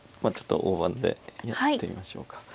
あちょっと大盤でやってみましょうか。